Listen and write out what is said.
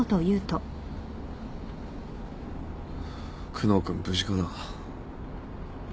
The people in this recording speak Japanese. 久能君無事かな。